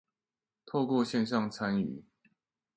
透過線上參與